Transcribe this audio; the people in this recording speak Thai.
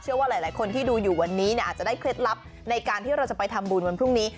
ว่าหลายคนที่ดูอยู่วันนี้อาจจะได้เคล็ดลับในการที่เราจะไปทำบุญวันพรุ่งนี้